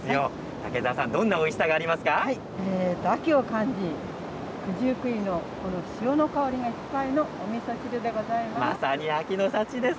竹澤さん、どんなおいしさ秋を感じ、九十九里の潮の香りがいっぱいのおみそ汁でございます。